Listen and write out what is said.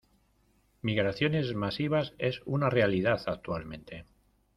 Migraciones masivas es una realidad actualmente.